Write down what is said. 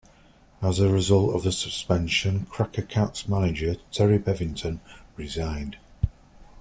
As a result of the suspension, Cracker-Cats manager Terry Bevington resigned.